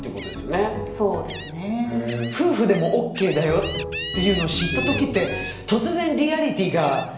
夫婦でもＯＫだよっていうのを知った時って突然リアリティーがね。